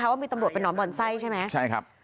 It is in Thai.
ว่ามีตำรวจเป็นหนอนบ่อนไส้ใช่มั้ย